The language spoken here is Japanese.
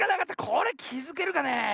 これきづけるかねえ。